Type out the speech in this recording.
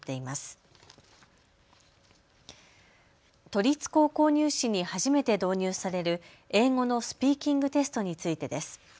都立高校入試に初めて導入される英語のスピーキングテストについてです。